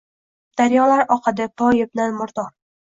daryolar oqadi poyimdan murdor.